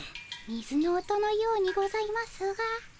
水の音のようにございますが。